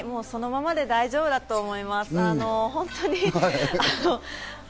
そのままで大丈夫だと思います。